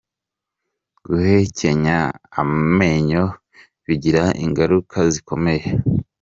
Guhekenya amenyo bigira ingaruka zikomeye